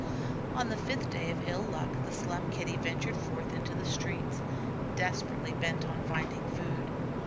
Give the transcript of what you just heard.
On the fifth day of ill luck the Slum Kitty ventured forth into the street, desperately bent on finding food.